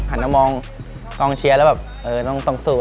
หันตรณองกองเชียร์แล้วต้องตรงตรงสู่